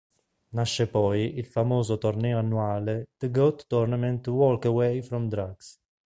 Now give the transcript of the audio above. Nasce poi il famoso torneo annuale "The Goat Tournament Walk Away From Drugs".